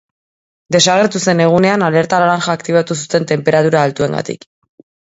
Desagertu zen egunean alerta laranja aktibatu zuten tenperatura altuengatik.